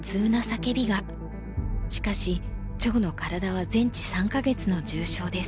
しかし趙の体は全治３か月の重傷です。